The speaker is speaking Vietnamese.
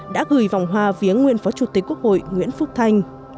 đã gửi vòng hoa viếng nguyên phó chủ tịch quốc hội nguyễn phúc thanh